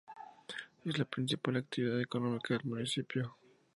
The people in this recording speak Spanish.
Es la principal actividad económica del municipio.